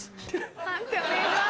判定お願いします。